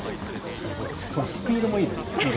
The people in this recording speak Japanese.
このスピード感もいいですね。